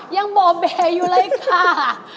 ยังโบเบอยู่เลยค่ะ